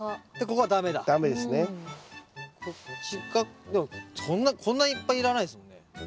こっちかでもこんないっぱいいらないですもんね。